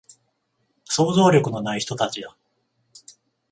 想像力のない人たちだ